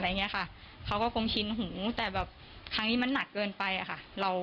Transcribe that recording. หรือหรือหรือหรือหรือหรือ